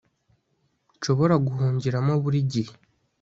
nshobora guhungiramo buri gihe